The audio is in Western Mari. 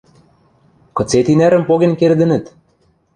Кыце тинӓрӹм поген кердӹнӹт?